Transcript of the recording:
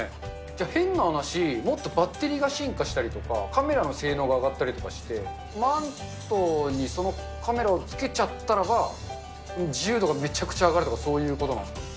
じゃあ、変な話、もっとバッテリーが進化したりとか、カメラの性能が上がったりとかして、マントにそのカメラをつけちゃったらば、自由度がめちゃくちゃ上がるとか、そういうことなんですか。